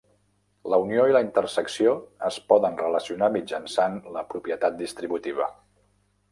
La unió i la intersecció es poden relacionar mitjançant la propietat distributiva.